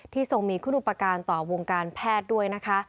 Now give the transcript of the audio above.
ทรงมีคุณอุปการณ์ต่อวงการแพทย์ด้วยนะคะ